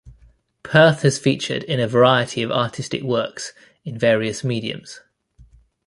Perth has featured in a variety of artistic works in various mediums.